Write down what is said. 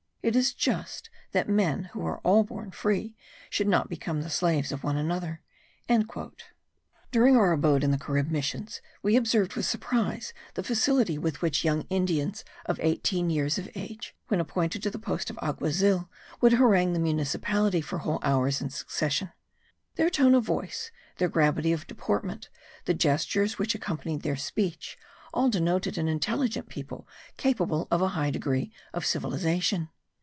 It is just that men, who are all born free, should not become the slaves of one another." During our abode in the Carib missions, we observed with surprise the facility with which young Indians of eighteen years of age, when appointed to the post of alguazil, would harangue the municipality for whole hours in succession. Their tone of voice, their gravity of deportment, the gestures which accompanied their speech, all denoted an intelligent people capable of a high degree of civilization.